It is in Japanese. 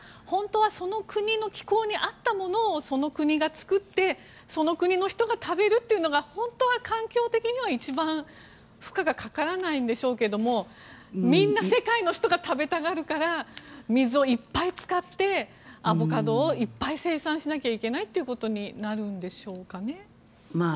本当はその国の気候に合ったものをその国が作ってその国の人が食べるっていうのが本当は環境的には一番負荷がかからないんでしょうけどもみんな世界の人が食べたがるから水をいっぱい使ってアボカドをいっぱい生産しなければいけないっていうことになるんでしょうかね。